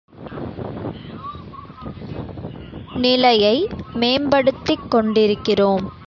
நிலையை மேம்படுத்திக் கொண்டிருக்கிறோம்.